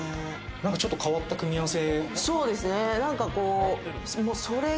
何かちょっと変わった組み合わせ。